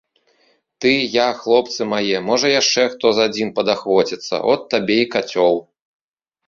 Ты, я, хлопцы мае, можа, яшчэ хто з адзін падахвоціцца, от табе і кацёл.